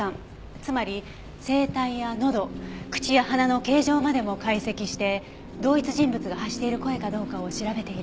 つまり声帯やのど口や鼻の形状までも解析して同一人物が発している声かどうかを調べている。